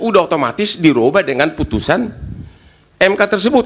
sudah otomatis diroba dengan putusan mk tersebut